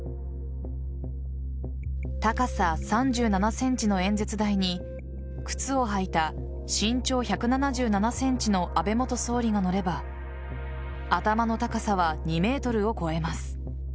高さ３７ｃｍの演説台に靴を履いた、身長１７７ｃｍの安倍元総理が乗れば頭の高さは２ｍを超えます。